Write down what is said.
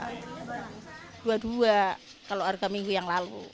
rp dua puluh dua kalau harga minggu yang lalu